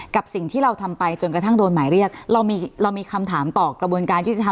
กับสิ่งที่เราทำไปจนกระทั่งโดนหมายเรียกเรามีเรามีคำถามต่อกระบวนการยุติธรรม